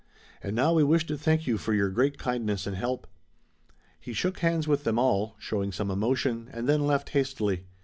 And now we wish to thank you for your great kindness and help." He shook hands with them all, showing some emotion, and then left hastily.